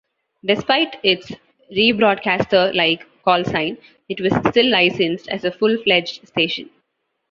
Despite its rebroadcaster-like callsign, it was still licensed as a full-fledged station.